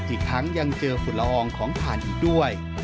อีกทั้งยังเจอฝุ่นละอองของผ่านอีกด้วย